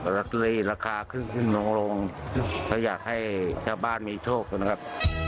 ลอตเตอรี่ราคาขึ้นขึ้นลงก็อยากให้ชาวบ้านมีโชคกันนะครับ